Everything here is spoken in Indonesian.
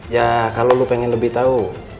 ya kalau lo pengen lebih tahu